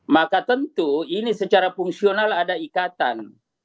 maka tentu ini secara fungsional ada ikatan